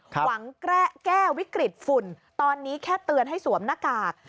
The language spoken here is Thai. หวังแก้วิกฤตฝุ่นตอนนี้แค่เตือนให้สวมหน้ากาก